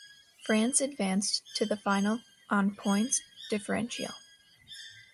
France advanced to the final on points differential.